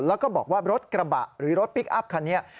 แล้วก็บอกว่ารถกระบะหรือรถพลิกอัพคันนี้